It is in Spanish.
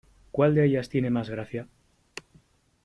¿Cuál de ellas tiene más gracia?